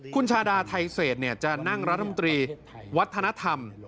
คุณชาดาไทเศษจะนั่งรัฐมนตรีวัฒนธรรม